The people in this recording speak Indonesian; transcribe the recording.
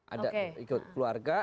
ada ikut keluarga